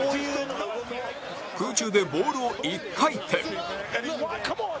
空中でボールを１回転